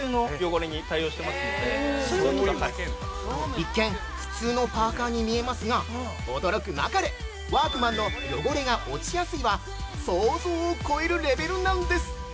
◆一見、普通のパーカーに見えますが、驚くなかれ、ワークマンの汚れが落ちやすいは想像を超えるレベルなんです。